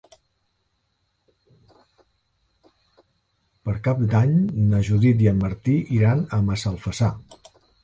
Per Cap d'Any na Judit i en Martí iran a Massalfassar.